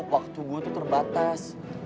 waktu gue tuh terbatas